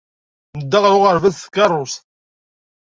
Nedda ɣer uɣerbaz s tkeṛṛust.